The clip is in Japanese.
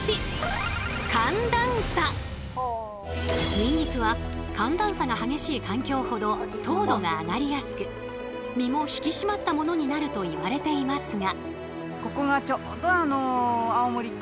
ニンニクは寒暖差が激しい環境ほど糖度が上がりやすく実も引き締まったものになるといわれていますが。